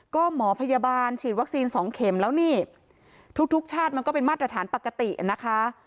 ก็หมอพยาบาลฉีดวัคซีนสองเข็มแล้วนี่ทุกชาติมันก็เป็นมาตรฐานปกตินะคะ